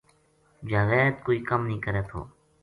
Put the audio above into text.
جاوید کوئی کَم نیہہ کرے تھو